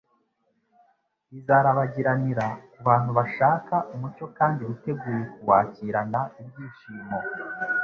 izarabagiranira ku bantu bashaka umucyo kandi biteguye kuwakirana ibyishimo.